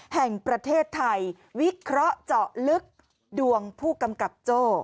แห่งประเทศไทยวิเคราะห์เจาะลึกดวงผู้กำกับโจ้